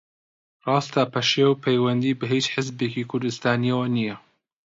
ڕاستە پەشێو پەیوەندی بە ھیچ حیزبێکی کوردستانییەوە نییە